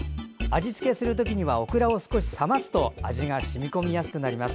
味付けする時にはオクラを少し冷ますと味が染み込みやすくなります。